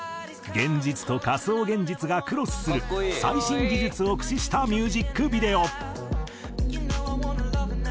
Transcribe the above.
現実と仮想現実がクロスする最新技術を駆使したミュージックビデオ。